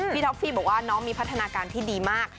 ท็อฟฟี่บอกว่าน้องมีพัฒนาการที่ดีมาก